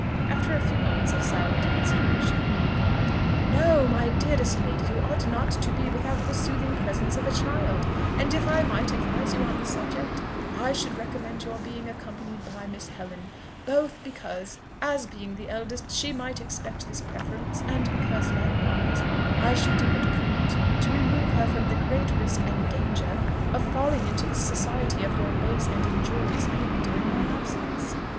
After a few moments of silent consideration, he replied, "No! my dearest lady, you ought not to be without the soothing presence of a child; and if I might advise you on the subject, I should recommend your being accompanied by Miss Helen, both, because, as being the eldest, she might expect this preference, and because, likewise, I should deem it prudent to remove her from the great risk and danger of falling into the society of your base and injurious enemy during your absence."